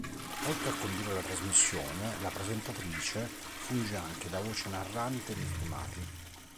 Oltre a condurre la trasmissione, la presentatrice funge anche da voce narrante dei filmati.